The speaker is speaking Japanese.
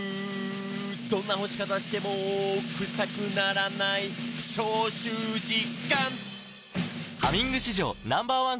「どんな干し方してもクサくならない」「消臭実感！」